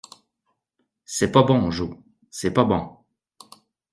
C’est pas bon Jo, c’est pas bon.